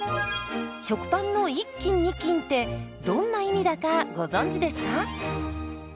食パンの１斤２斤ってどんな意味だかご存じですか？